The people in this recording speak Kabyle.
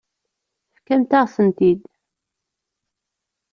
Tefkamt-aɣ-tent-id.